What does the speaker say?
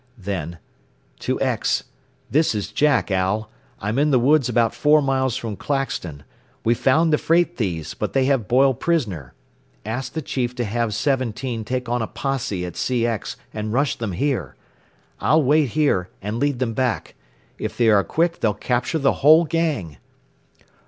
Then, "To X This is Jack, Al. I'm in the woods about four miles from Claxton. We found the freight thieves, but they have Boyle prisoner. Ask the chief to have 17 take on a posse at CX and rush them here. I'll wait here, and lead them back. If they are quick they'll capture the whole gang."